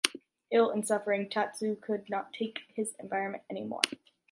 Ill and suffering, Tatsu could not take his environment anymore.